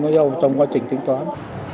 trong quá trình tính toán